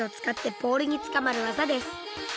ポールにつかまる技です。